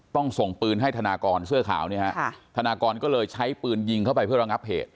ส่งปืนให้ธนากรเสื้อขาวเนี่ยฮะธนากรก็เลยใช้ปืนยิงเข้าไปเพื่อระงับเหตุ